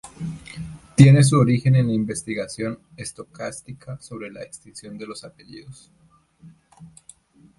Tiene su origen en la investigación estocástica sobre la extinción de los apellidos.